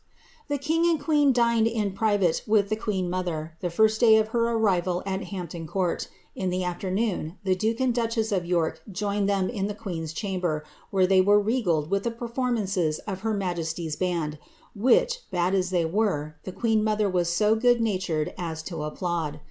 The king and queen dined in private with the queen mother, the first day of her arrival at Hampton Court. Jn the afternoon, the duke sod duchess of York joined them in tlie queen's chamber, where they wen regaled with the performances of her majesty's band, which, bad as they were, the queen mother was so good natured as to applaud.